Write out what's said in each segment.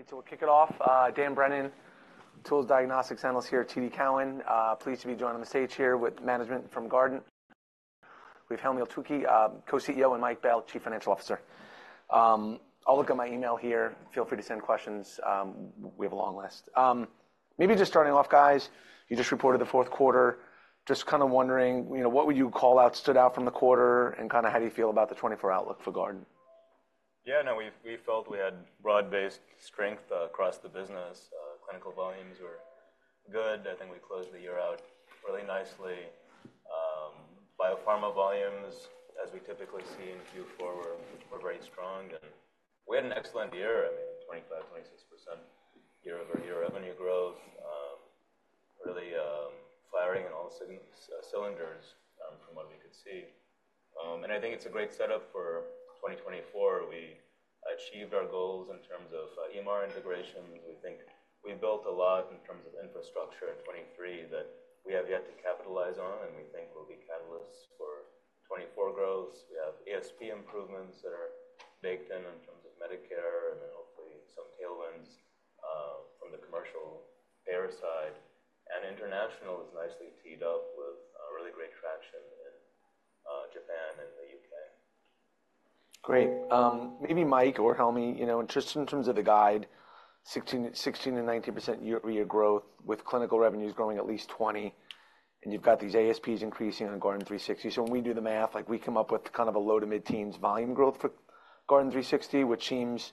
Great. So we'll kick it off. Dan Brennan, Tools Diagnostics Analyst here at TD Cowen. Pleased to be joining the stage here with management from Guardant. We have Helmy Eltoukhy, Co-CEO, and Mike Bell, Chief Financial Officer. I'll look at my email here. Feel free to send questions. We have a long list. Maybe just starting off, guys, you just reported the fourth quarter. Just kinda wondering, you know, what would you call out stood out from the quarter, and kinda how do you feel about the 2024 outlook for Guardant? Yeah. No, we've felt we had broad-based strength across the business. Clinical volumes were good. I think we closed the year out really nicely. Biopharma volumes, as we typically see in Q4, were very strong. We had an excellent year, I mean, 25%-26% year-over-year revenue growth, really firing on all cylinders, from what we could see. And I think it's a great setup for 2024. We achieved our goals in terms of EMR integrations. We think we built a lot in terms of infrastructure in 2023 that we have yet to capitalize on, and we think will be catalysts for 2024 growth. We have ASP improvements that are baked in in terms of Medicare, and then hopefully some tailwinds from the commercial payer side. International is nicely teed up with really great traction in Japan and the U.K. Great. Maybe Mike or Helmy, you know, just in terms of the guide, 16%-19% year-over-year growth with clinical revenues growing at least 20%, and you've got these ASPs increasing on Guardant360. So when we do the math, like, we come up with kind of a low- to mid-teens volume growth for Guardant360, which seems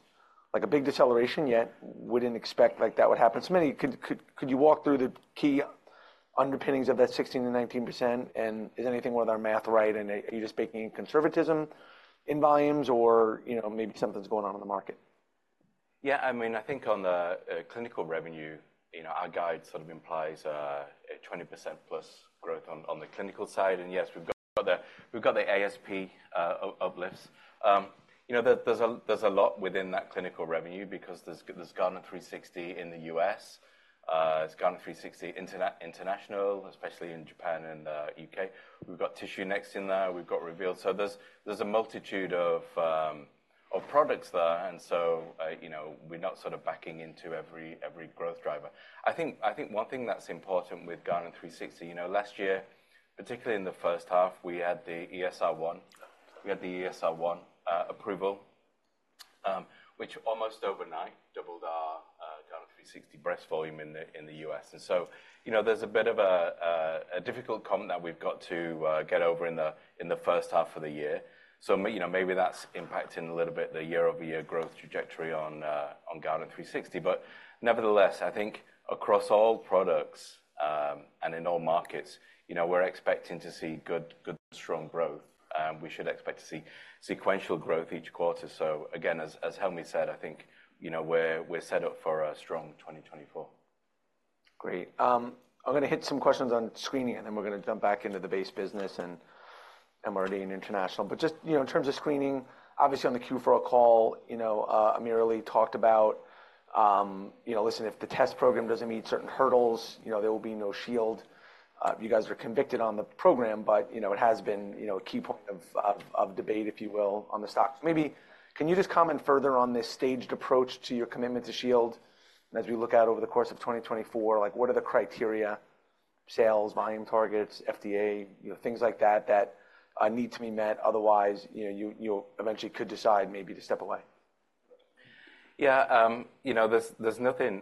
like a big deceleration yet. Wouldn't expect, like, that would happen. So maybe could, could, could you walk through the key underpinnings of that 16%-19%, and is anything with our math right, and are you just baking in conservatism in volumes, or, you know, maybe something's going on in the market? Yeah. I mean, I think on the clinical revenue, you know, our guide sort of implies a 20%+ growth on the clinical side. And yes, we've got the ASP uplifts. You know, there's a lot within that clinical revenue because there's Guardant360 in the U.S. There's Guardant360 international, especially in Japan and the U.K. We've got TissueNext in there. We've got Reveal. So there's a multitude of products there. And so, you know, we're not sort of backing into every growth driver. I think one thing that's important with Guardant360, you know, last year, particularly in the first half, we had the ESR1 approval, which almost overnight doubled our Guardant360 breast volume in the U.S. And so, you know, there's a bit of a difficult comment that we've got to get over in the first half of the year. So, you know, maybe that's impacting a little bit the year-over-year growth trajectory on Guardant360. But nevertheless, I think across all products, and in all markets, you know, we're expecting to see good, strong growth. We should expect to see sequential growth each quarter. So again, as Helmy said, I think, you know, we're set up for a strong 2024. Great. I'm gonna hit some questions on screening, and then we're gonna jump back into the base business and MRD and international. But just, you know, in terms of screening, obviously on the Q4 call, you know, AmirAli talked about, you know, listen, if the test program doesn't meet certain hurdles, you know, there will be no Shield. You guys are convicted on the program, but, you know, it has been, you know, a key point of debate, if you will, on the stock. Maybe can you just comment further on this staged approach to your commitment to Shield? And as we look out over the course of 2024, like, what are the criteria, sales, volume targets, FDA, you know, things like that, that need to be met? Otherwise, you know, you eventually could decide maybe to step away. Yeah. You know, there's nothing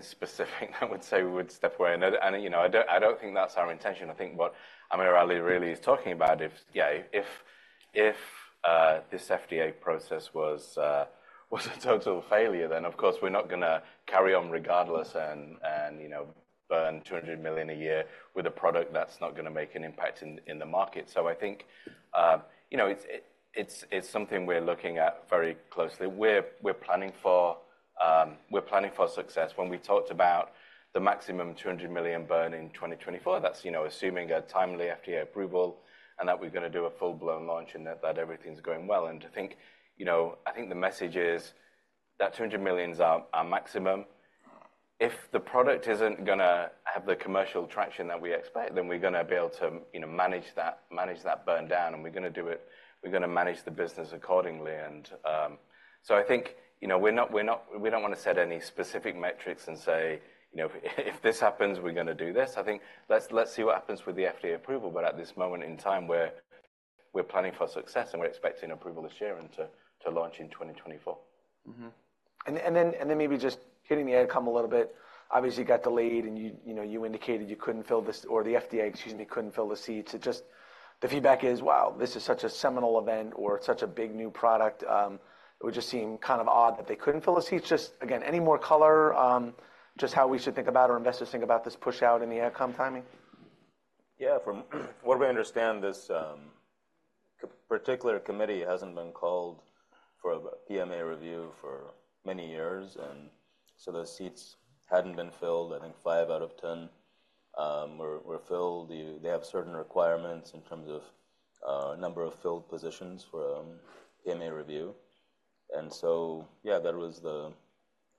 specific I would say we would step away. And it and, you know, I don't think that's our intention. I think what AmirAli really is talking about is, yeah, if this FDA process was a total failure, then of course we're not gonna carry on regardless and, and, you know, burn $200 million a year with a product that's not gonna make an impact in the market. So I think, you know, it's something we're looking at very closely. We're planning for success. When we talked about the maximum $200 million burn in 2024, that's, you know, assuming a timely FDA approval and that we're gonna do a full-blown launch and that everything's going well. And I think, you know, I think the message is that $200 million's our, our maximum. If the product isn't gonna have the commercial traction that we expect, then we're gonna be able to, you know, manage that manage that burn down, and we're gonna do it we're gonna manage the business accordingly. And, so I think, you know, we're not we're not we don't wanna set any specific metrics and say, you know, if, if this happens, we're gonna do this. I think let's, let's see what happens with the FDA approval. But at this moment in time, we're, we're planning for success, and we're expecting approval this year and to, to launch in 2024. Mm-hmm. And then maybe just hitting the AdCom a little bit. Obviously, you got delayed, and you know, you indicated you couldn't fill this or the FDA—excuse me—couldn't fill the seats. It's just the feedback is, "Wow, this is such a seminal event," or, "It's such a big new product." It would just seem kind of odd that they couldn't fill a seat. Just again, any more color, just how we should think about or investors think about this push out in the AdCom timing? Yeah. From what we understand, this particular committee hasn't been called for a PMA review for many years, and so those seats hadn't been filled. I think 5 out of 10 were filled. They have certain requirements in terms of number of filled positions for PMA review. And so, yeah, that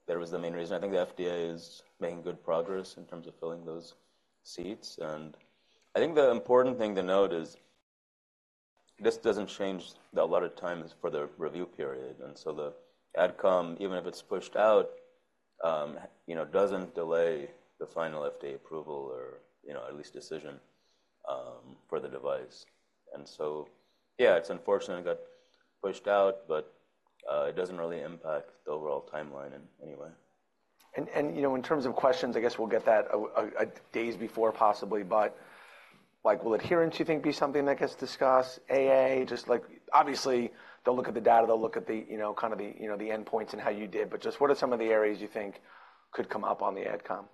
was the main reason. I think the FDA is making good progress in terms of filling those seats. And I think the important thing to note is this doesn't change that a lot of time is for the review period. And so the AdCom, even if it's pushed out, you know, doesn't delay the final FDA approval or, you know, at least decision for the device. And so, yeah, it's unfortunate it got pushed out, but it doesn't really impact the overall timeline in any way. You know, in terms of questions, I guess we'll get that a few days before possibly. But, like, will adherence, you think, be something that gets discussed? Just like obviously, they'll look at the data. They'll look at the, you know, kind of the, you know, the endpoints and how you did. But just what are some of the areas you think could come up on the AdCom?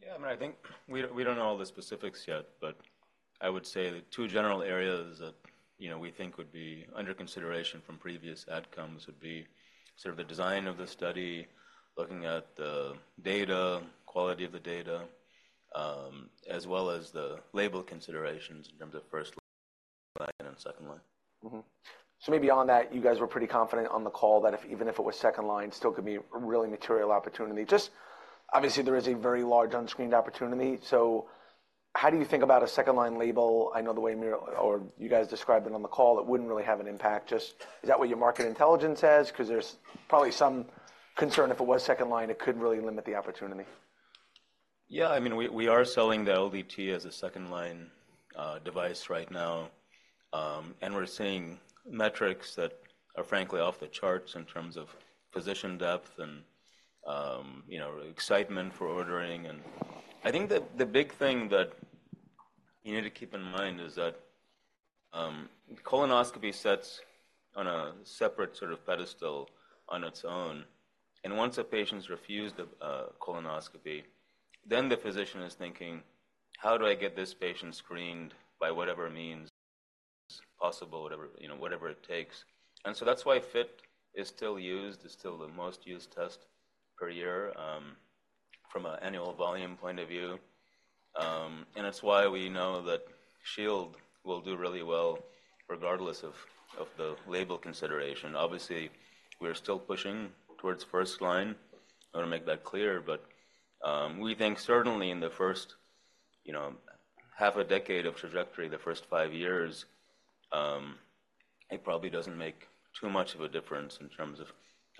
Yeah. I mean, I think we don't know all the specifics yet, but I would say the two general areas that, you know, we think would be under consideration from previous AdComs would be sort of the design of the study, looking at the data, quality of the data, as well as the label considerations in terms of first line and second line. Mm-hmm. So maybe on that, you guys were pretty confident on the call that even if it was second line, it still could be a really material opportunity. Just obviously, there is a very large unscreened opportunity. So how do you think about a second-line label? I know the way Amir or you guys described it on the call, it wouldn't really have an impact. Just, is that what your market intelligence says? 'Cause there's probably some concern if it was second line, it could really limit the opportunity. Yeah. I mean, we, we are selling the LDT as a second-line device right now, and we're seeing metrics that are frankly off the charts in terms of physician depth and, you know, excitement for ordering. And I think the, the big thing that you need to keep in mind is that colonoscopy sets on a separate sort of pedestal on its own. And once a patient's refused a, a colonoscopy, then the physician is thinking, "How do I get this patient screened by whatever means is possible, whatever you know, whatever it takes?" And so that's why FIT is still used. It's still the most used test per year, from an annual volume point of view. And it's why we know that Shield will do really well regardless of, of the label consideration. Obviously, we're still pushing towards first line. I wanna make that clear. We think certainly in the first, you know, half a decade of trajectory, the first five years, it probably doesn't make too much of a difference in terms of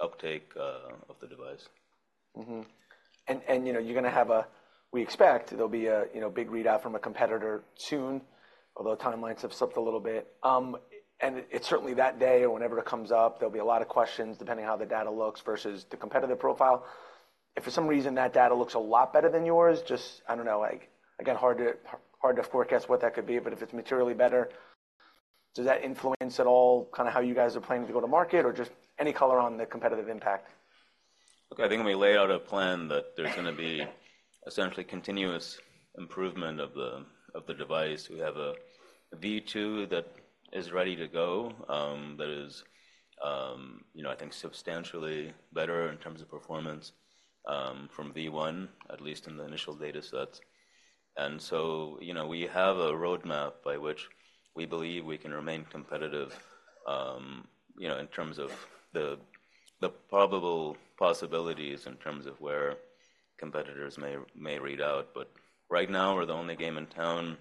uptake, of the device. Mm-hmm. And, you know, we expect there'll be a, you know, big readout from a competitor soon, although timelines have slipped a little bit. And it's certainly that day or whenever it comes up, there'll be a lot of questions depending on how the data looks versus the competitor profile. If for some reason that data looks a lot better than yours, just I don't know. Like, again, hard to forecast what that could be, but if it's materially better, does that influence at all kinda how you guys are planning to go to market, or just any color on the competitive impact? Okay. I think when we lay out a plan that there's gonna be essentially continuous improvement of the of the device, we have a V2 that is ready to go, that is, you know, I think substantially better in terms of performance, from V1, at least in the initial data sets. And so, you know, we have a roadmap by which we believe we can remain competitive, you know, in terms of the, the probable possibilities in terms of where competitors may, may read out. But right now, we're the only game in town.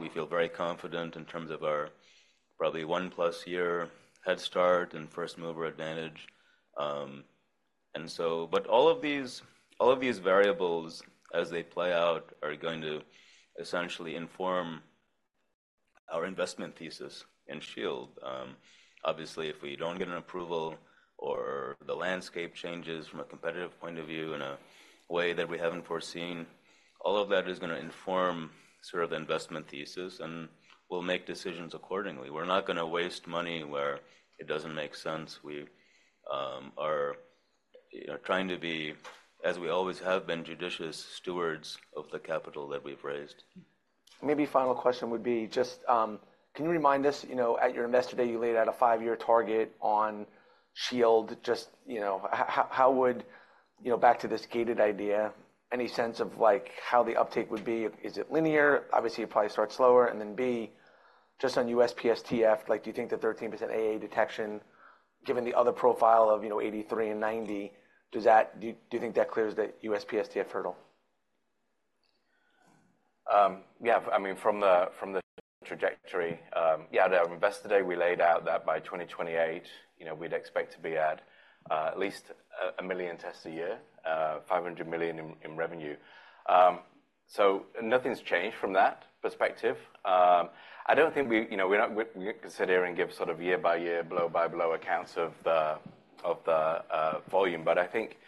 We feel very confident in terms of our probably one-plus-year head start and first-mover advantage. And so but all of these all of these variables, as they play out, are going to essentially inform our investment thesis in Shield. Obviously, if we don't get an approval or the landscape changes from a competitive point of view in a way that we haven't foreseen, all of that is gonna inform sort of the investment thesis, and we'll make decisions accordingly. We're not gonna waste money where it doesn't make sense. We are, you know, trying to be, as we always have been, judicious stewards of the capital that we've raised. Maybe final question would be just, can you remind us, you know, at your investor day, you laid out a five-year target on Shield. Just, you know, how would you know, back to this gated idea, any sense of, like, how the uptake would be? Is it linear? Obviously, it probably starts slower. And then B, just on USPSTF, like, do you think the 13% AA detection, given the other profile of, you know, 83% and 90%, do you think that clears the USPSTF hurdle? Yeah. I mean, from the trajectory, yeah, at our investor day, we laid out that by 2028, you know, we'd expect to be at least 1 million tests a year, $500 million in revenue. So nothing's changed from that perspective. I don't think, you know, we're not considering giving sort of year-by-year, blow-by-blow accounts of the volume. But I think,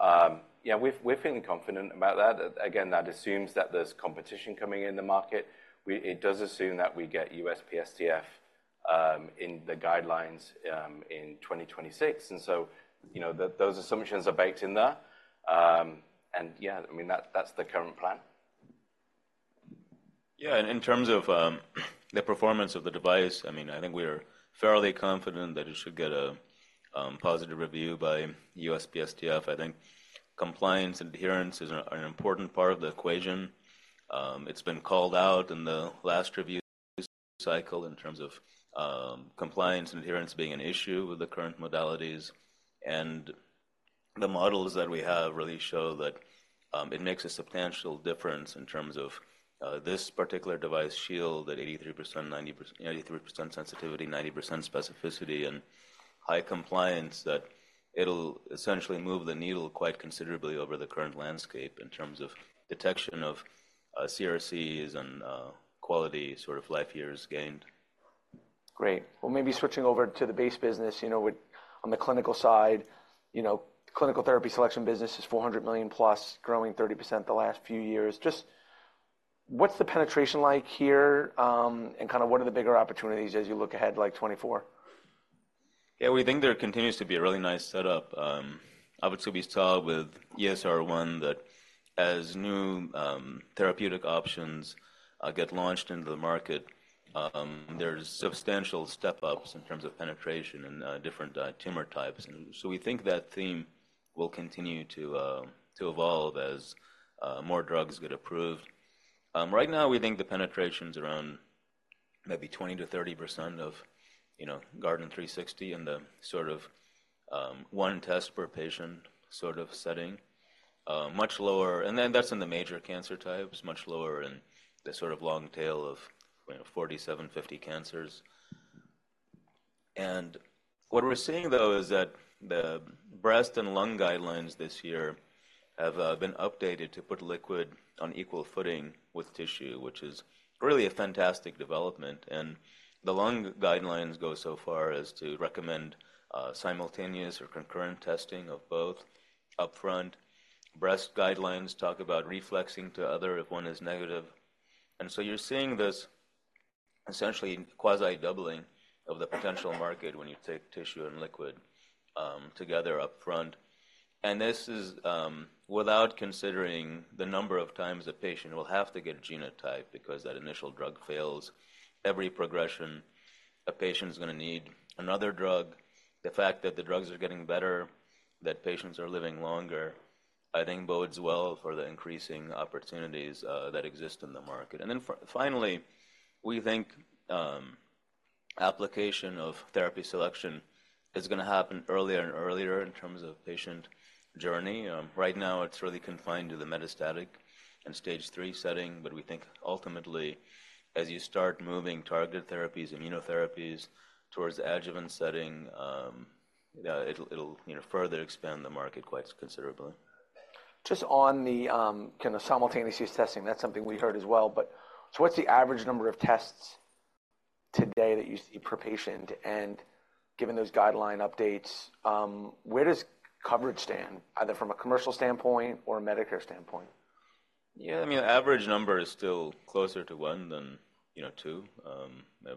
yeah, we're feeling confident about that. Again, that assumes that there's competition coming in the market. It does assume that we get USPSTF in the guidelines in 2026. So, you know, those assumptions are baked in there. Yeah, I mean, that's the current plan. Yeah. And in terms of the performance of the device, I mean, I think we are fairly confident that it should get a positive review by USPSTF. I think compliance and adherence is an important part of the equation. It's been called out in the last review cycle in terms of compliance and adherence being an issue with the current modalities. And the models that we have really show that it makes a substantial difference in terms of this particular device, Shield, at 83%, 90% 83% sensitivity, 90% specificity, and high compliance, that it'll essentially move the needle quite considerably over the current landscape in terms of detection of CRCs and quality sort of life years gained. Great. Well, maybe switching over to the base business, you know, with on the clinical side, you know, clinical therapy selection business is $400 million-plus, growing 30% the last few years. Just what's the penetration like here, and kinda what are the bigger opportunities as you look ahead, like, 2024? Yeah. We think there continues to be a really nice setup. Obviously, we saw with ESR1 that as new therapeutic options get launched into the market, there's substantial step-ups in terms of penetration and different tumor types. And so we think that theme will continue to evolve as more drugs get approved. Right now, we think the penetration's around maybe 20%-30% of, you know, Guardant360 in the sort of one test per patient sort of setting. Much lower and then that's in the major cancer types, much lower in the sort of long tail of, you know, 47-50 cancers. And what we're seeing, though, is that the breast and lung guidelines this year have been updated to put liquid on equal footing with tissue, which is really a fantastic development. The lung guidelines go so far as to recommend simultaneous or concurrent testing of both upfront. Breast guidelines talk about reflexing to other if one is negative. And so you're seeing this essentially quasi-doubling of the potential market when you take tissue and liquid together upfront. And this is without considering the number of times a patient will have to get a genotype because that initial drug fails. Every progression, a patient's gonna need another drug. The fact that the drugs are getting better, that patients are living longer, I think bodes well for the increasing opportunities that exist in the market. And then finally, we think application of therapy selection is gonna happen earlier and earlier in terms of patient journey. Right now, it's really confined to the metastatic and stage III setting, but we think ultimately, as you start moving targeted therapies, immunotherapies, towards the adjuvant setting, yeah, it'll, it'll, you know, further expand the market quite considerably. Just on the kinda simultaneous use testing, that's something we heard as well. What's the average number of tests today that you see per patient? And given those guideline updates, where does coverage stand, either from a commercial standpoint or a Medicare standpoint? Yeah. I mean, the average number is still closer to one than, you know, two.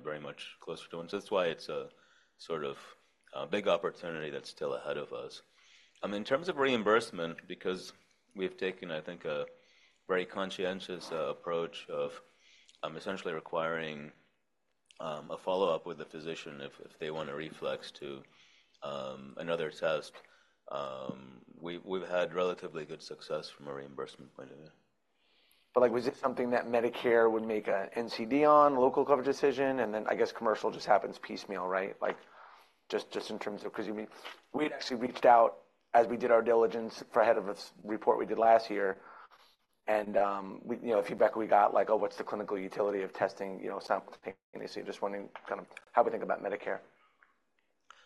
Very much closer to one. So that's why it's a sort of big opportunity that's still ahead of us. In terms of reimbursement, because we've taken, I think, a very conscientious approach of essentially requiring a follow-up with the physician if, if they want a reflex to another test, we've, we've had relatively good success from a reimbursement point of view. But, like, was it something that Medicare would make a NCD on, local coverage decision, and then I guess commercial just happens piecemeal, right? Like, just in terms of 'cause you mean we had actually reached out as we did our diligence for ahead of this report we did last year. And we, you know, feedback we got, like, "Oh, what's the clinical utility of testing, you know, simultaneously?" Just wondering kinda how we think about Medicare.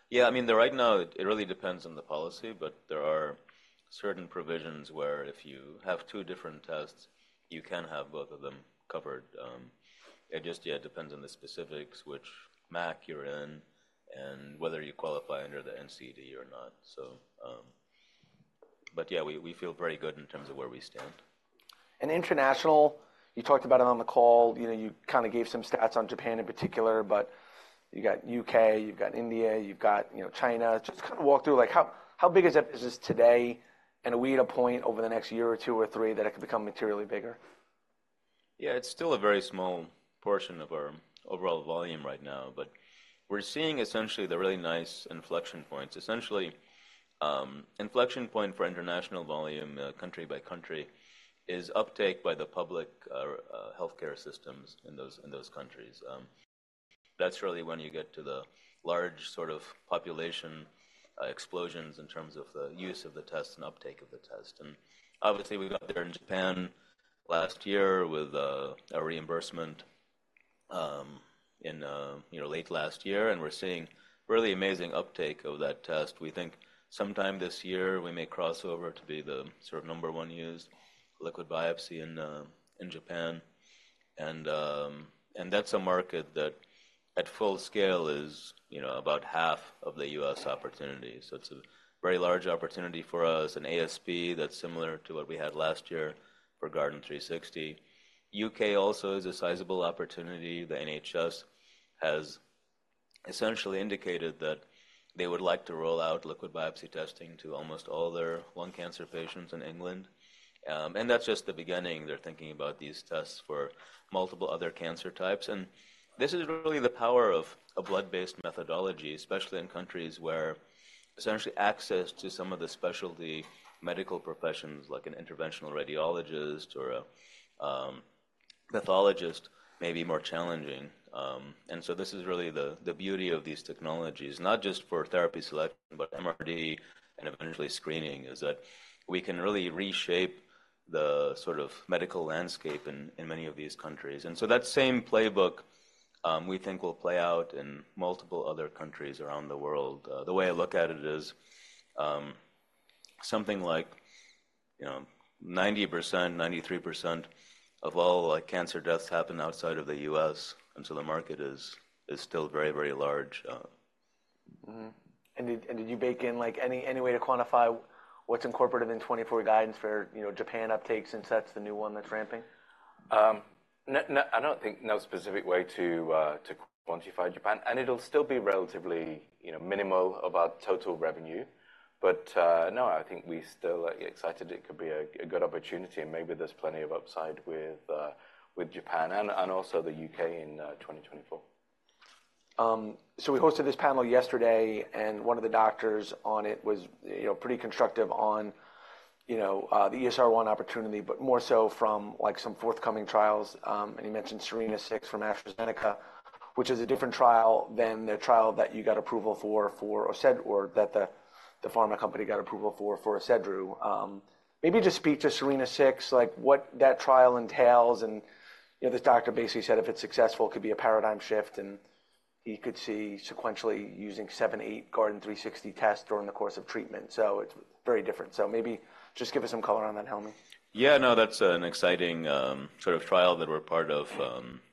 Yeah. I mean, right now, it really depends on the policy, but there are certain provisions where if you have two different tests, you can have both of them covered. It just, yeah, depends on the specifics, which MAC you're in, and whether you qualify under the NCD or not. So, but yeah, we feel very good in terms of where we stand. And international, you talked about it on the call. You know, you kinda gave some stats on Japan in particular, but you got U.K., you've got India, you've got, you know, China. Just kinda walk through, like, how, how big is that business today, and are we at a point over the next year or two or three that it could become materially bigger? Yeah. It's still a very small portion of our overall volume right now, but we're seeing essentially the really nice inflection points. Essentially, inflection point for international volume, country by country, is uptake by the public healthcare systems in those countries. That's really when you get to the large sort of population explosions in terms of the use of the test and uptake of the test. And obviously, we got there in Japan last year with a reimbursement in, you know, late last year, and we're seeing really amazing uptake of that test. We think sometime this year, we may cross over to be the sort of number one-used liquid biopsy in Japan. And that's a market that at full scale is, you know, about half of the U.S. opportunity. So it's a very large opportunity for us, an ASP that's similar to what we had last year for Guardant 360. U.K. also is a sizable opportunity. The NHS has essentially indicated that they would like to roll out liquid biopsy testing to almost all their lung cancer patients in England. And that's just the beginning. They're thinking about these tests for multiple other cancer types. And this is really the power of a blood-based methodology, especially in countries where essentially access to some of the specialty medical professions, like an interventional radiologist or a pathologist, may be more challenging. And so this is really the beauty of these technologies, not just for therapy selection but MRD and eventually screening, is that we can really reshape the sort of medical landscape in many of these countries. And so that same playbook, we think will play out in multiple other countries around the world. The way I look at it is, something like, you know, 90%, 93% of all, like, cancer deaths happen outside of the U.S., and so the market is still very, very large, Mm-hmm. And did you bake in, like, any way to quantify what's incorporated in 2024 guidance for, you know, Japan uptakes since that's the new one that's ramping? No, no, I don't think no specific way to, to quantify Japan. And it'll still be relatively, you know, minimal of our total revenue. But, no, I think we still, like, excited. It could be a, a good opportunity, and maybe there's plenty of upside with, with Japan and, and also the U.K. in 2024. So we hosted this panel yesterday, and one of the doctors on it was, you know, pretty constructive on, you know, the ESR1 opportunity, but more so from, like, some forthcoming trials. And you mentioned SERENA-6 from AstraZeneca, which is a different trial than the trial that you got approval for, for Orserdu or that the, the pharma company got approval for, for Orserdu. Maybe just speak to SERENA-6, like, what that trial entails. And, you know, this doctor basically said if it's successful, it could be a paradigm shift, and he could see sequentially using 7, 8 Guardant360 tests during the course of treatment. So it's very different. So maybe just give us some color on that, Helmy. Yeah. No, that's an exciting, sort of trial that we're part of,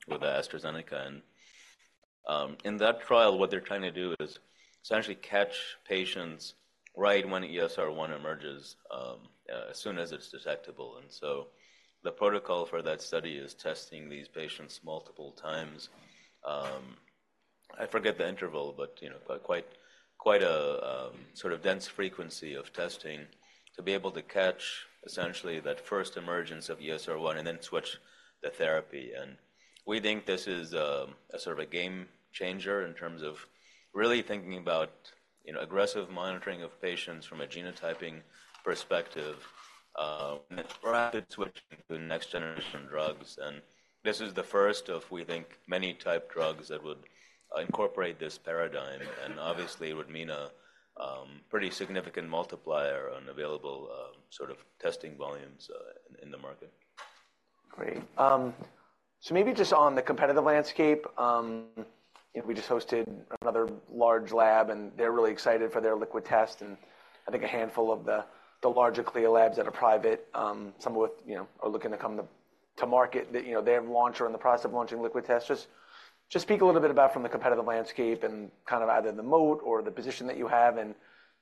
with AstraZeneca. And, in that trial, what they're trying to do is essentially catch patients right when ESR1 emerges, as soon as it's detectable. And so the protocol for that study is testing these patients multiple times. I forget the interval, but, you know, quite, quite, quite a, sort of dense frequency of testing to be able to catch essentially that first emergence of ESR1 and then switch the therapy. And we think this is, a sort of a game changer in terms of really thinking about, you know, aggressive monitoring of patients from a genotyping perspective, rapid switching to next-generation drugs. And this is the first of, we think, many-type drugs that would, incorporate this paradigm. And obviously, it would mean a, pretty significant multiplier on available, sort of testing volumes, in, in the market. Great. So maybe just on the competitive landscape, you know, we just hosted another large lab, and they're really excited for their liquid test. And I think a handful of the, the larger CLIA labs that are private, some of which, you know, are looking to come to market that, you know, they have launched or in the process of launching liquid tests. Just, just speak a little bit about from the competitive landscape and kind of either the moat or the position that you have. And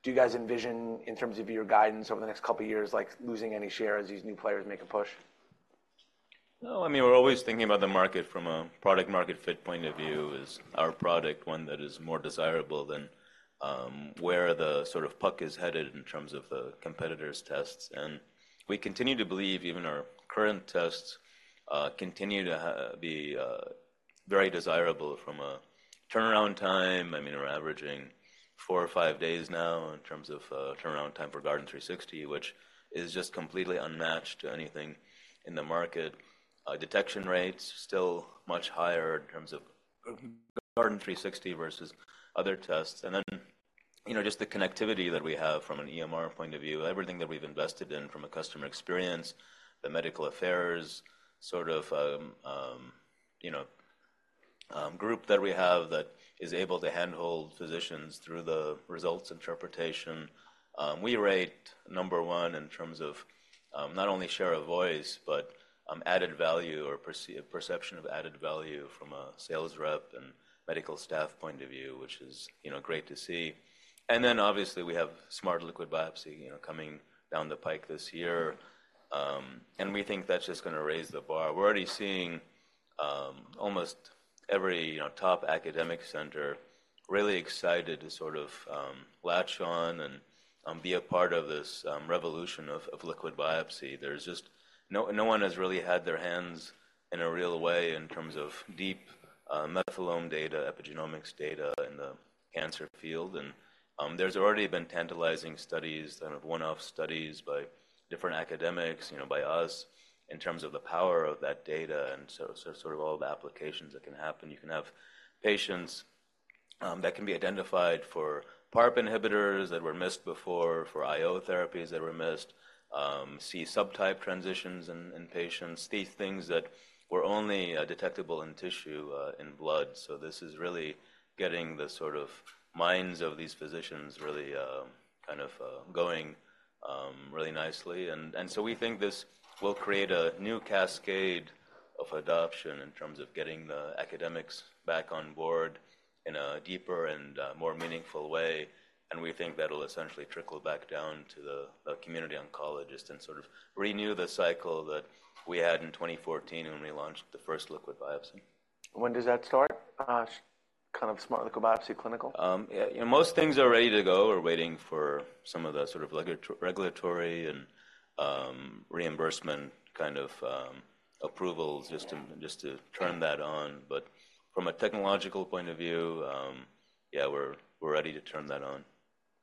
do you guys envision, in terms of your guidance over the next couple of years, like, losing any share as these new players make a push? No, I mean, we're always thinking about the market from a product-market fit point of view. Is our product one that is more desirable than, where the sort of puck is headed in terms of the competitors' tests? And we continue to believe even our current tests continue to have very desirable from a turnaround time. I mean, we're averaging four or five days now in terms of turnaround time for Guardant 360, which is just completely unmatched to anything in the market. Detection rates still much higher in terms of Guardant 360 versus other tests. And then, you know, just the connectivity that we have from an EMR point of view, everything that we've invested in from a customer experience, the medical affairs sort of, you know, group that we have that is able to handhold physicians through the results interpretation, we rate number one in terms of, not only share of voice but, added value or perce-perception of added value from a sales rep and medical staff point of view, which is, you know, great to see. And then obviously, we have Smart Liquid Biopsy, you know, coming down the pike this year. And we think that's just gonna raise the bar. We're already seeing, almost every, you know, top academic center really excited to sort of, latch on and, be a part of this, revolution of, of liquid biopsy. There's just no, no one has really had their hands in a real way in terms of deep, methylome data, epigenomics data in the cancer field. There's already been tantalizing studies, kind of one-off studies by different academics, you know, by us in terms of the power of that data and so, so sort of all the applications that can happen. You can have patients, that can be identified for PARP inhibitors that were missed before, for IO therapies that were missed, see subtype transitions in, in patients, see things that were only, detectable in tissue, in blood. So this is really getting the sort of minds of these physicians really, kind of, going, really nicely. And, and so we think this will create a new cascade of adoption in terms of getting the academics back on board in a deeper and, more meaningful way. We think that'll essentially trickle back down to the community oncologists and sort of renew the cycle that we had in 2014 when we launched the first liquid biopsy. When does that start, kind of Smart Liquid Biopsy clinical? Yeah, you know, most things are ready to go. We're waiting for some of the sort of regulatory and reimbursement kind of approvals just to turn that on. But from a technological point of view, yeah, we're ready to turn that on.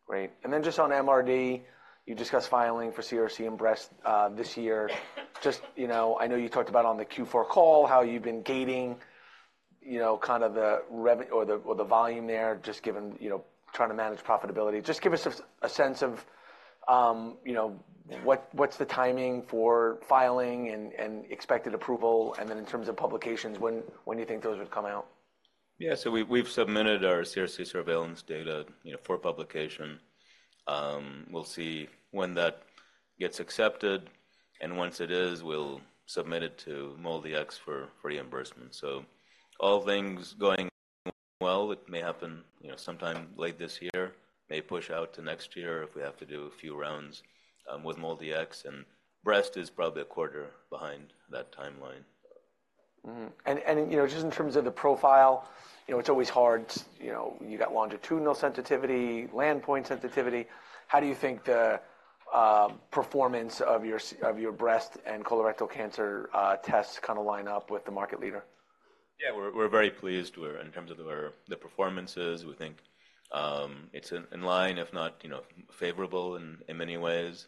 Great. And then just on MRD, you discussed filing for CRC and breast, this year. Just, you know, I know you talked about on the Q4 call how you've been gating, you know, kinda the revenue or the or the volume there just given, you know, trying to manage profitability. Just give us a sense of, you know, what, what's the timing for filing and, and expected approval? And then in terms of publications, when, when do you think those would come out? Yeah. So we've submitted our CRC surveillance data, you know, for publication. We'll see when that gets accepted. And once it is, we'll submit it to MolDX for reimbursement. So all things going well, it may happen, you know, sometime late this year, may push out to next year if we have to do a few rounds with MolDX. And breast is probably a quarter behind that timeline. Mm-hmm. And, you know, just in terms of the profile, you know, it's always hard to, you know, you got longitudinal sensitivity, landmark sensitivity. How do you think the performance of your breast and colorectal cancer tests kinda line up with the market leader? Yeah. We're very pleased where in terms of our the performances, we think it's in line, if not, you know, favorable in many ways.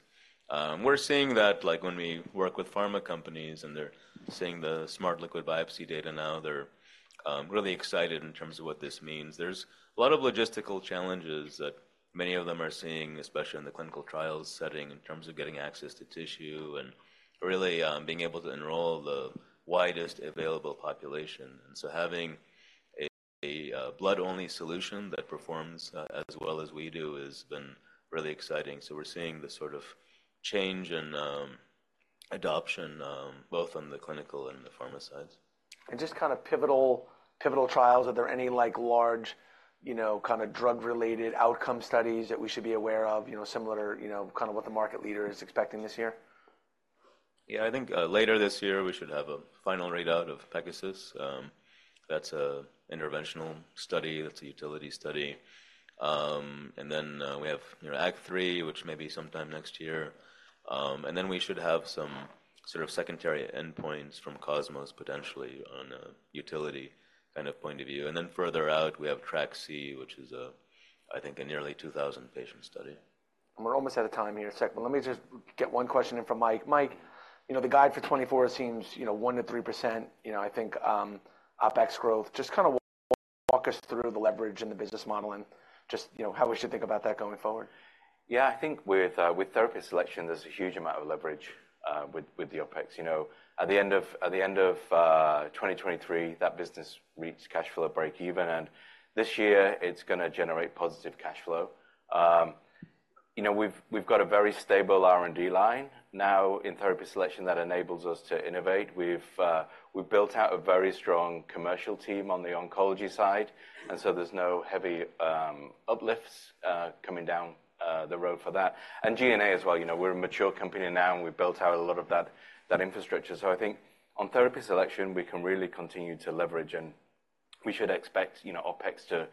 We're seeing that, like, when we work with pharma companies, and they're seeing the Smart Liquid Biopsy data now, they're really excited in terms of what this means. There's a lot of logistical challenges that many of them are seeing, especially in the clinical trials setting in terms of getting access to tissue and really being able to enroll the widest available population. And so having a blood-only solution that performs as well as we do has been really exciting. So we're seeing the sort of change in adoption, both on the clinical and the pharma sides. Just kinda pivotal trials, are there any, like, large, you know, kinda drug-related outcome studies that we should be aware of, you know, similar, you know, kinda what the market leader is expecting this year? Yeah. I think, later this year, we should have a final readout of PEGASUS. That's a interventional study. That's a utility study. And then, we have, you know, ACT-3, which may be sometime next year. And then we should have some sort of secondary endpoints from COSMOS potentially on a utility kind of point of view. And then further out, we have TRACC, which is a, I think, a nearly 2,000-patient study. We're almost out of time here. A sec. But let me just get one question in from Mike. Mike, you know, the guide for 2024 seems, you know, 1%-3%, you know, I think, OpEx growth. Just kinda walk us through the leverage and the business model and just, you know, how we should think about that going forward. Yeah. I think with therapy selection, there's a huge amount of leverage with the OpEx. You know, at the end of 2023, that business reached cash flow breakeven. And this year, it's gonna generate positive cash flow. You know, we've got a very stable R&D line now in therapy selection that enables us to innovate. We've built out a very strong commercial team on the oncology side. And so there's no heavy uplifts coming down the road for that. And G&A as well. You know, we're a mature company now, and we've built out a lot of that infrastructure. So I think on therapy selection, we can really continue to leverage. And we should expect, you know, OpEx to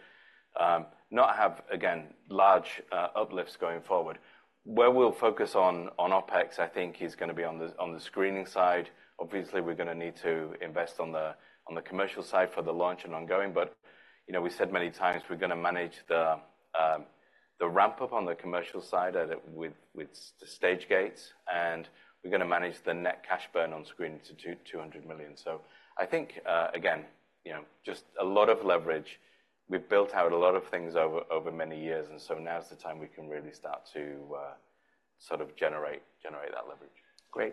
not have, again, large uplifts going forward. Where we'll focus on OpEx, I think, is gonna be on the screening side. Obviously, we're gonna need to invest on the commercial side for the launch and ongoing. But, you know, we said many times, we're gonna manage the ramp-up on the commercial side with the stage gates. And we're gonna manage the net cash burn on screening to $200 million. So I think, again, you know, just a lot of leverage. We've built out a lot of things over many years. And so now's the time we can really start to sort of generate that leverage. Great.